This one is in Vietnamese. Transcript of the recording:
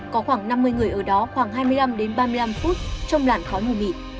có khoảng năm mươi người ở đó khoảng hai mươi năm ba mươi năm phút trong lãn khói mù mịt